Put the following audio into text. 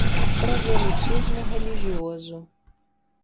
Proselitismo religioso